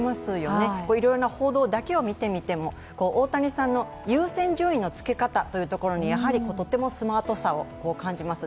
いろいろな報道だけを見てみても、大谷さんの優先順位の付け方に、とてもスマートさを感じます。